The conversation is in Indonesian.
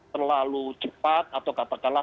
terlalu cepat atau katakanlah